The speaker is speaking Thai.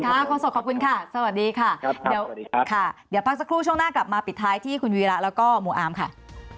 ครับผมขอบคุณแทนไว้พักสักครู่ช่วงหน้ากลับมาปิดท้ายของวีราร์แล้วก็โมงอำ